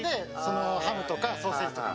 ハムとかソーセージとか。